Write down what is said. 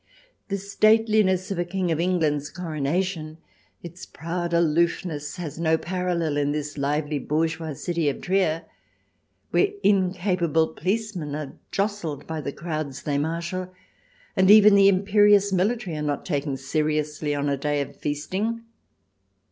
The stateliness of a King of England's coronation, its proud aloofness, has no parallel in this lively, bourgeois city of Trier, where incapable policemen are jostled by the crowds they marshal, and even the imperious military are not taken seriously on a day of feasting.